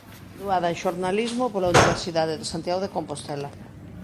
Graduada en xornalismo pola Universidade de Santiago de Compostela.